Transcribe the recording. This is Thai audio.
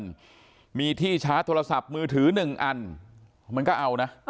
ครับคนที่ชาร์จโทรศัพท์มื้อถือหนึ่งอันมันก็เอานะ